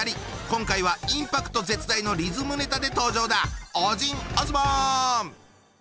今回はインパクト絶大のリズムネタで登場だ！